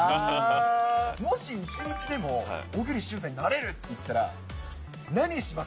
もし１日でも小栗旬さんになれるっていったら、何します？